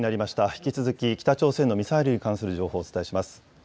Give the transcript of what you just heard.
引き続き北朝鮮のミサイルに関する情報をお伝えします。